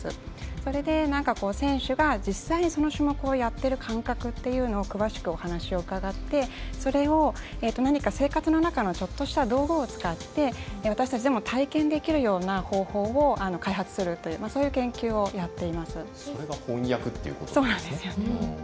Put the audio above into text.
それで選手が実際にその種目をやっている感覚というのを詳しくお話を伺ってそれを、何か生活の中のちょっとした道具を使って私たちでも体験できる方法を開発するという研究をそれが翻訳ということですね。